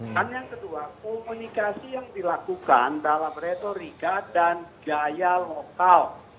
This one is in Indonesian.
dan yang kedua komunikasi yang dilakukan dalam retorika dan gaya lokal